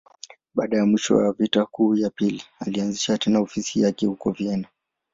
Baada ya mwisho wa Vita Kuu ya Pili, alianzisha tena ofisi yake huko Vienna.